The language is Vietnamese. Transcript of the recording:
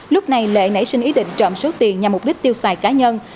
lúc này lệ nảy sinh ý định trộm số tiền nhằm mục đích tiêu xài cá nhân